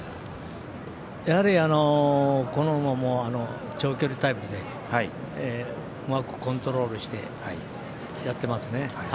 やはりこの馬も長距離タイプでうまくコントロールしてやってますね。